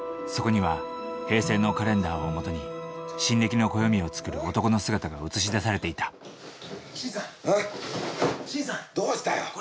そこには平成のカレンダーをもとに新暦の暦を作る男の姿が映し出されていた新さん！